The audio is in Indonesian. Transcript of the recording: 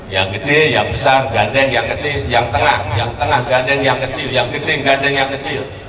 yang gede yang besar gandeng yang kecil yang tengah yang tengah gandeng yang kecil yang gede gandeng yang kecil